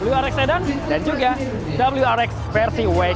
wrx sedan dan juga wrx versi wagon